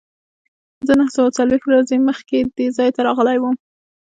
زه نهه څلوېښت ورځې مخکې دې ځای ته راغلی وم.